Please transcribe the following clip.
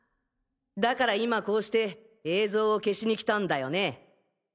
だから今こうして映像を消しに来たんだよね？